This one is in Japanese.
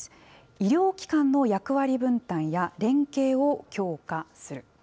医療機関の役割分担や連携を強化する。